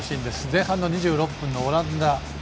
前半の２６分のオランダ。